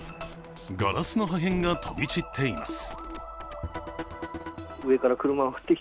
ガラスの破片が飛び散っています。